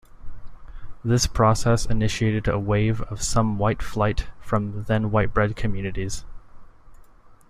This process initiated a wave of some "white flight" from then white-bread communities.